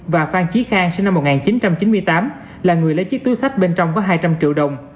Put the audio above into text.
và phan trí khang sinh năm một nghìn chín trăm chín mươi tám là người lấy chiếc túi sách bên trong có hai trăm linh triệu đồng